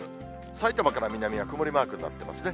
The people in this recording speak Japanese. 埼玉から南は曇りマークになっていますね。